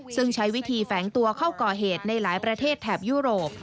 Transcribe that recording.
ซึ่งใช้วิธีแฝงตัวเข้าก่อเหตุในหลายประเทศแถบยุโรป